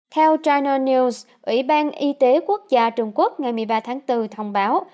theo china news ủy ban y tế quốc gia trung quốc ngày một mươi ba tháng bốn thông báo